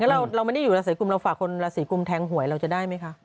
เราไม่ได้อยู่ราศีกุมเราฝากคนราศีกุมแทงหวยเราจะได้ไหมคะ